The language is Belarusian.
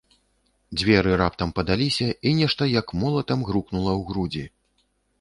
Дзверы раптам падаліся, і нешта, як молатам, грукнула ў грудзі.